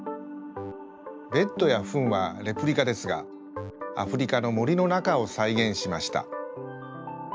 ベッドやフンはレプリカですがアフリカのもりのなかをさいげんしました。